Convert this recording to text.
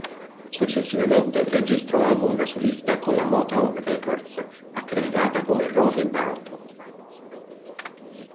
Successivamente registra un album da solista con la Motown Records, accreditata come 'Rose Banche'.